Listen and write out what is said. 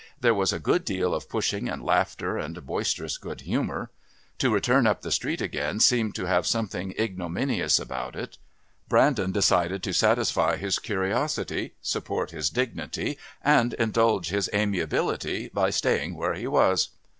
There was a good deal of pushing and laughter and boisterous good humour. To return up the street again seemed to have something ignominious about it. Brandon decided to satisfy his curiosity, support his dignity and indulge his amiability by staying where he was.